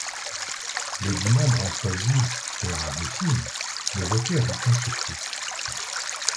Les dix membres ont choisi, fait rarissime, de voter à bulletin secret.